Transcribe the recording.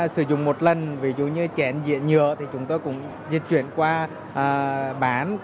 sử dụng một lần ví dụ như chèn dịa nhựa thì chúng tôi cũng di chuyển qua bán